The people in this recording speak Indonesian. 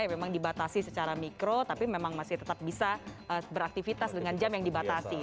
yang memang dibatasi secara mikro tapi memang masih tetap bisa beraktivitas dengan jam yang dibatasi